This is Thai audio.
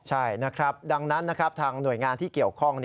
ใช่นะครับดังนั้นนะครับทางหน่วยงานที่เกี่ยวข้อง